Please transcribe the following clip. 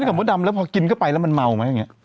มันกลับมาดำแล้วพอกินเข้าไปแล้วมันเมาไหม